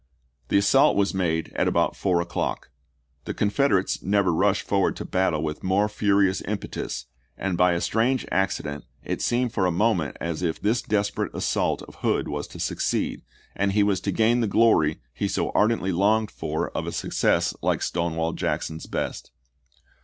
Hov.3o,i864. The assault was made at about four o'clock. The Confederates never rushed forward to battle with more furious impetus, and by a strange accident it seemed for a moment as if this desperate assault of Hood was to succeed, and he was to gain the glory he so ardently longed for of a success like Stonewall Jackson's best.